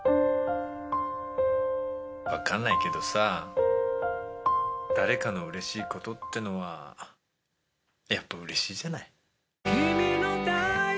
わかんないけどさ誰かのうれしいことってのはやっぱうれしいじゃない。